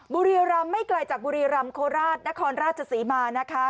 บุรีรำไม่ไกลจากบุรีรำโคราชนครราชศรีมานะคะ